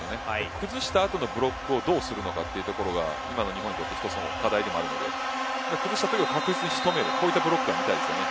崩した後のブロックをどうするのかというところが今の日本の課題でもあるので崩した後に確実に仕留めるそういったブロックが見たいですね。